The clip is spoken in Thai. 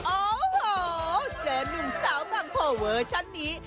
โอ้โหเจอนุ่มสาวบางโพเวอร์ชันนี้